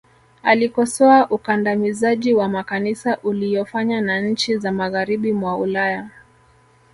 alikosoa ukandamizaji wa makanisa uliyofanya na nchi za magharibi mwa ulaya